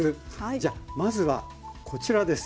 じゃあまずはこちらです。